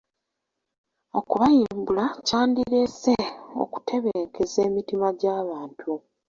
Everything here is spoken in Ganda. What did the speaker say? Okubayimbula kyandireese okutebenkeza emitima gy'abantu.